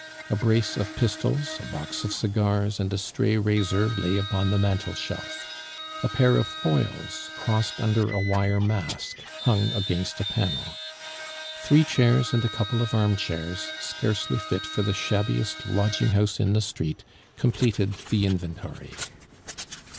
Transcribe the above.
A brace of pistols, a box of cigars, and a stray razor lay upon the mantel shelf; a pair of foils, crossed under a wire mask, hung against a panel. Three chairs and a couple of armchairs, scarcely fit for the shabbiest lodging house in the street, completed the inventory.